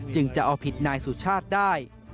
จะเอาผิดนายสุชาติได้